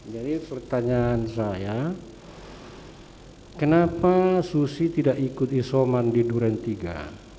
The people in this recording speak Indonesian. jadi pertanyaan saya kenapa susi tidak ikut isoman di durantiga